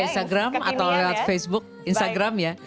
instagram atau lewat facebook instagram ya